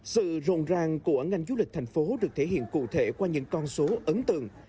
sự rộn ràng của ngành du lịch thành phố được thể hiện cụ thể qua những con số ấn tượng